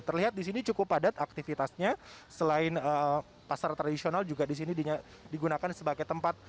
terlihat di sini cukup padat aktivitasnya selain pasar tradisional juga di sini digunakan sebagai tempat